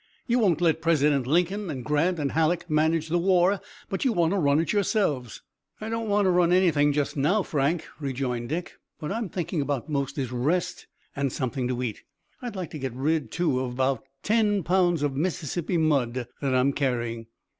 "You won't let President Lincoln and Grant and Halleck manage the war, but you want to run it yourselves." "I don't want to run anything just now, Frank," rejoined Dick. "What I'm thinking about most is rest and something to eat. I'd like to get rid, too, of about ten pounds of Mississippi mud that I'm carrying."